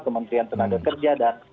kementerian tenaga kerja dan